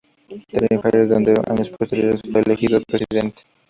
Tenerife donde años posteriores fue elegido presidente.